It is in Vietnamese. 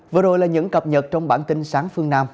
vừa rồi là những cập nhật trong bản tin sáng phương nam